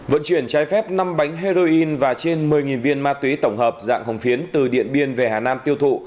vận chuyển trái phép năm bánh heroin và trên một mươi viên ma túy tổng hợp dạng hồng phiến từ điện biên về hà nam tiêu thụ